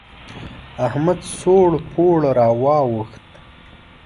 احمد سوړ پوړ را واوښت.